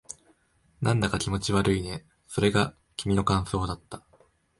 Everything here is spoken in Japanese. なんだか気持ち悪いね。それが君の感想だった。